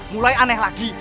mulai aneh lagi